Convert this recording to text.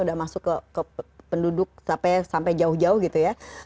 sudah masuk ke penduduk sampai jauh jauh gitu ya